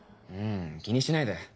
ううん気にしないで。